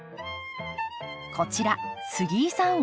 こちら杉井さん